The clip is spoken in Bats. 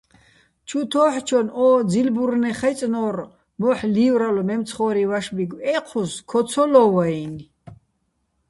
ჩუ თო́ჰ̦ჩონ ო ძილბურნე ხაჲწნო́რ, მოჰ̦ ლი́ვრალო̆ მემცხო́რი ვაშბიგო̆: ეჴუს ქო ცო ლო ვაჲნი̆.